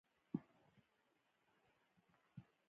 دمه کېدو په نیت تم شوم، په ځان کې له لږ زور.